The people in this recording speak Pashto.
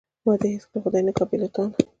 ما دې هیڅکله خدای نه کا بې له تانه.